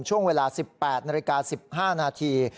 ช่วงเวลา๑๘นาฬิกา๑๕นาที